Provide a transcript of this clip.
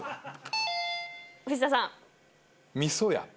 藤田さん。